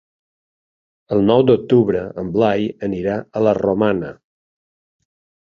El nou d'octubre en Blai anirà a la Romana.